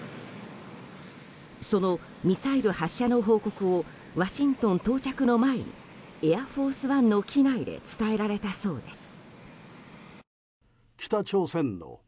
そのミサイル発射の報告をワシントン到着の前に「エアフォースワン」の機内で伝えられたそうです。